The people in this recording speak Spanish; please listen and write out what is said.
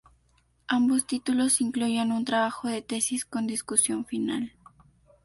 Ambos títulos incluyen un trabajo de tesis con discusión final.